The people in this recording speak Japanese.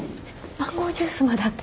マンゴージュースまであった。